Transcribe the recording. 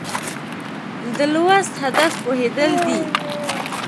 د لوست هدف پوهېدل دي.